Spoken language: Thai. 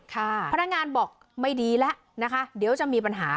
พนักงานบอกไม่ดีแล้วนะคะเดี๋ยวจะมีปัญหา